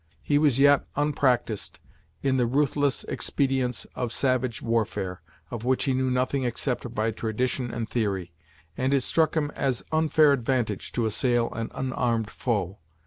He was yet unpracticed in the ruthless expedients of savage warfare, of which he knew nothing except by tradition and theory, and it struck him as unfair advantage to assail an unarmed foe.